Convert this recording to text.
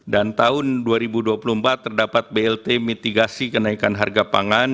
dan tahun dua ribu dua puluh empat terdapat blt mitigasi kenaikan harga pangan